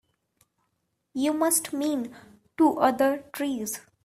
You must mean two other trees.